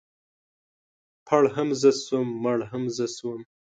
پړ هم زه شوم مړ هم زه شوم.